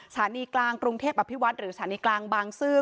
สถานีกลางกรุงเทพอภิวัฒน์หรือสถานีกลางบางซื่อ